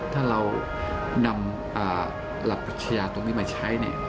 ถ้าเรานำหลับปัจจุยาตรงนี้มาใช้เนี่ย